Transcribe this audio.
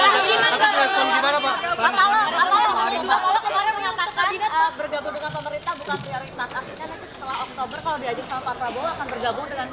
akhirnya nanti setelah oktober kalau diajak pak prabowo akan bergabung dengan